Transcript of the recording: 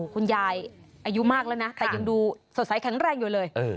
คุณยายอายุมากแล้วนะแต่ยังดูสดใสแข็งแรงอยู่เลย